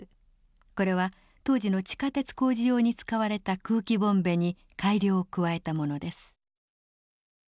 これは当時の地下鉄工事用に使われた空気ボンベに改良を加えたものです。